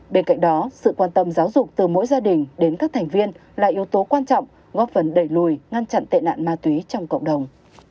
bên cạnh đó sự quan tâm giáo dục từ mỗi gia đình đến các thành viên là yếu tố quan trọng góp phần đẩy lùi ngăn chặn tệ nạn ma túy trong cộng đồng